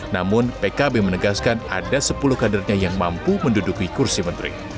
namun pkb menegaskan ada sepuluh kadernya yang mampu menduduki kursi menteri